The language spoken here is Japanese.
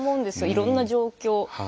いろんな状況。